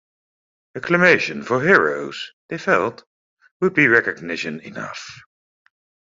Acclamation for heroes, they felt, would be recognition enough.